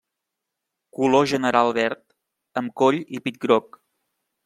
Color general verd amb coll i pit groc.